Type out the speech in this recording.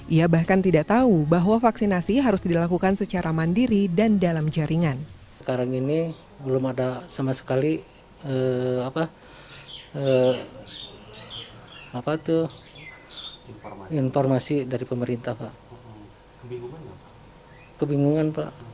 ia bahkan tidak tahu bahwa vaksinasi harus dilakukan secara mandiri dan dalam jaringan